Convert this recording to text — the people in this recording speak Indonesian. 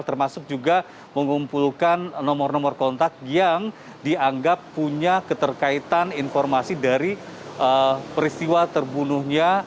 termasuk juga mengumpulkan nomor nomor kontak yang dianggap punya keterkaitan informasi dari peristiwa terbunuhnya